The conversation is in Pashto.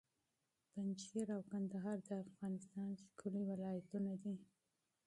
پنجشېر او کندهار د افغانستان ښکلي ولایتونه دي.